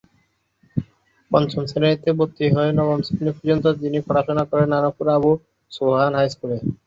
পঞ্চম শ্রেণীতে ভর্তি হয়ে নবম শ্রেণী পর্যন্ত তিনি পড়াশুনা করেন নানুপুর আবু সোবহান হাই স্কুলে।